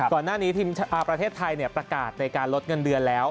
ก่อนหน้านี้ทีมประเทศไทยประกาศในการลดเงินเดือนแล้ว